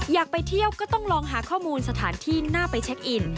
อยากไปเที่ยวก็ต้องลองหาข้อมูลสถานที่น่าไปเช็คอิน